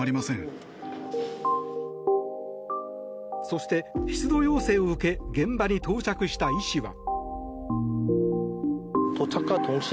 そして、出動要請を受け現場に到着した医師は。